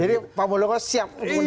jadi pak murdoko siap untuk datang